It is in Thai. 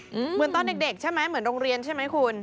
เหมือนตอนเด็กใช่ไหมเหมือนโรงเรียนใช่ไหมคุณ